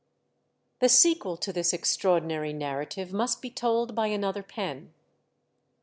•••••• The sequel to this extraordinary narrative must be told by another pen.